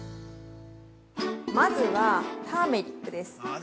◆まずは、ターメリックです。